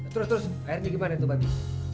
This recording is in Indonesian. terus terus akhirnya gimana tuh babi